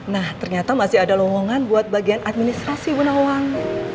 nah ternyata masih ada lowongan buat bagian administrasi wena wangu